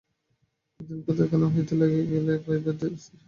ও দিনকতক এখান হইতে গেলেই দেখিতে পাইবে, বাড়ির শ্রী ফেরে কি না।